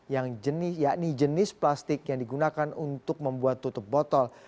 yang jenis plastik yang digunakan untuk membuat tutup botol